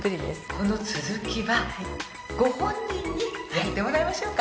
この続きはご本人にやってもらいましょうか。